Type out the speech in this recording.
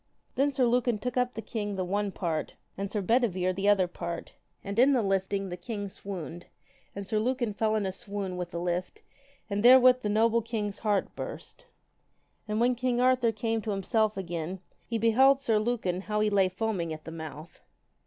Then Sir Lucan took up the king the one part, and Sir Bedivere the other part, and in the lifting, the king swooned, and Sir Lucan fell in a swoon with the lift and therewith the noble knight's heart burst. And when king Arthur came to himself again, he beheld Sir Lucan how he lay foaming at the mouth.